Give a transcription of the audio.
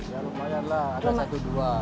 ya lumayan lah ada satu dua